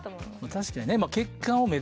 確かにね